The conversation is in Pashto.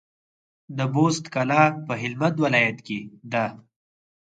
د بُست کلا په هلمند ولايت کي ده